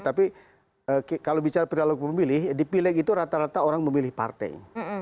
tapi kalau bicara perilaku pemilih di pileg itu rata rata orang memilih partai